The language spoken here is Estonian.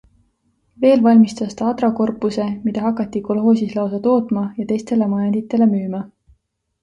Veel valmistas ta adrakorpuse, mida hakati kolhoosis lausa tootma ja teistele majanditele müüma.